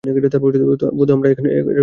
ভানু আমরা এমন চিন্তা কখনও করি নাই।